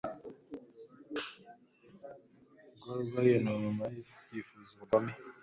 Gorging on maniaBifuza ubugome